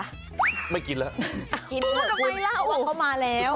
ก็ไม่ล่ะว่าเขามาแล้ว